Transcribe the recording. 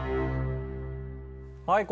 はい。